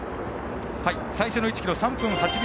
最初の１ｋｍ、３分８秒。